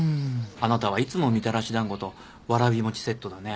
あなたはいつもみたらし団子とわらび餅セットだね。